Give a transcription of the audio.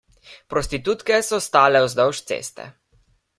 Prostitutke so stale vzdolž ceste.